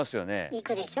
いくでしょ。